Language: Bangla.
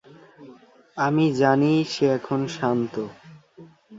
আমি জানি সে এখন শান্ত।